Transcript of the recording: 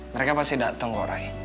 mereka pasti dateng loh ray